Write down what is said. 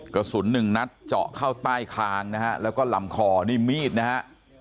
กระสุนหนึ่งนัดเจาะเข้าใต้คางนะฮะแล้วก็ลำคอนี่มีดนะฮะ